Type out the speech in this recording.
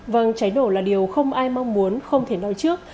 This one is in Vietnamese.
vâng cháy nổ là điều không ai mong muốn không thể nói trước